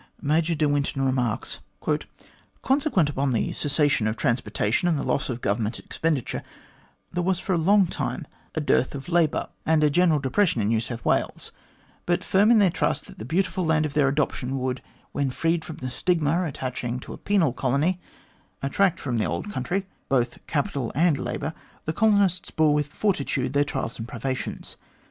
Major de Winton remarks : "Consequent upon the cessation of transportation and loss of Government expenditure, there was for a long time a dearth of MAJOK DE WINTON: OLDEST LIVING GLADSTONIAN 181 labour, and a general depression in New South Wales ; but firm in their trust that the beautiful land of their adoption would, when freed from the stigma attaching to a penal colony, attract from the old country both capital and labour, the colonists bore with fortitude their trials and privations.